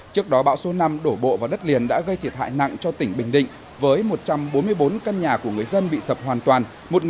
trước đó bão số năm đổ bộ vào đất liền đã gây thiệt hại nặng cho tỉnh bình định với một trăm bốn mươi bốn căn nhà của người dân bị sập hoàn toàn